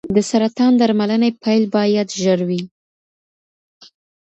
د سرطان درملنې پیل باید ژر وي.